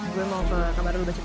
gue mau ke kamar lu baca buku